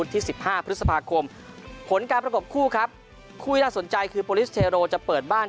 ที่ผ่าน